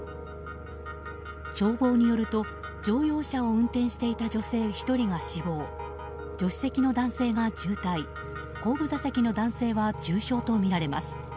消防によると乗用車を運転していた女性１人が死亡助手席の男性が重体後部座席の男性は重傷とみられます。